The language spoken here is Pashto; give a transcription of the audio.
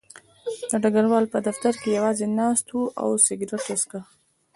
ډګروال په دفتر کې یوازې ناست و او سګرټ یې څښه